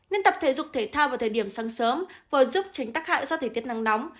nên tập thể dục thể thao vào thời điểm sáng sớm vừa giúp tránh tắc hại do thời tiết nắng nóng